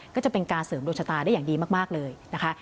ก็จะเป็นการเสริมดวงชะตาได้อย่างดีมากเลยนะคะ